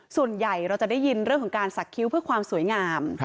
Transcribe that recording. ส่วนใหญ่เราจะได้ยินเรื่องของการสักคิ้วเพื่อความสวยงาม